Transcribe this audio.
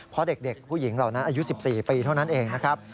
เพราะเด็กผู้หญิงเหล่านั้นอายุ๑๔ปีเท่านั้นเองนะครับ